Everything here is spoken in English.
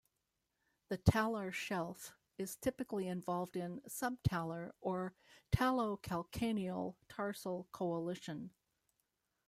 The talar shelf is typically involved in subtalar or talocalcaneal tarsal coalition.